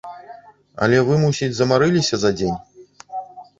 Але вы, мусіць, замарыліся за дзень?